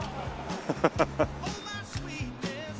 ハハハハ。